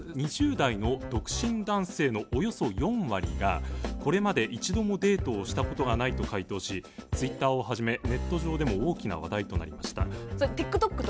２０代の独身男性のおよそ４割がこれまで一度もデートをしたことがないと回答しＴｗｉｔｔｅｒをはじめネット上でも大きな話題となりました。